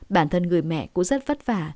bản thân người mẹ cũng rất vất vả